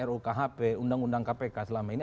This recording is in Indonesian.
rukhp undang undang kpk selama ini